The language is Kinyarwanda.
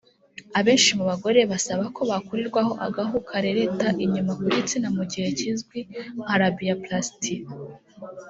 Abenshi mu bagore basaba ko bakurirwaho agahu karereta inyuma ku gitsina mu gikorwa kizwi nka ‘Labiaplasty’